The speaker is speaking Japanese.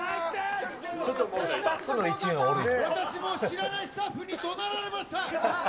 私も知らないスタッフにどなられました。